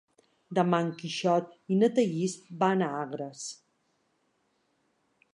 Demà en Quixot i na Thaís van a Agres.